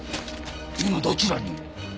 今どちらに？